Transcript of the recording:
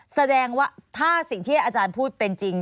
แสดงว่าถ้าสิ่งที่อาจารย์พูดเป็นจริง